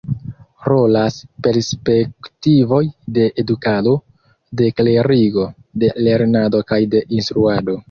Rolas perspektivoj de edukado, de klerigo, de lernado kaj de instruado.